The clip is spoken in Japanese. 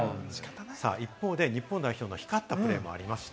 一方で日本代表の光ったプレーもありました。